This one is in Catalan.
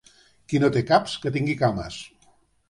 Qui no té caps, que tingui cames.